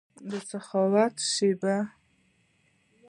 دسخاوت شیبې